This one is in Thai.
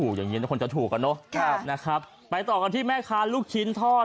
อย่างงี้แล้วคนจะถูกอ่ะเนอะครับนะครับไปต่อกันที่แม่ค้าลูกชิ้นทอด